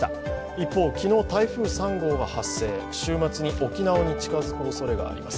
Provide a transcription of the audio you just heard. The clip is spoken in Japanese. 一方、昨日台風３号が発生、週末に沖縄に近づくおそれがあります。